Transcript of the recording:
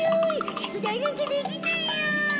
宿題なんかできないよ！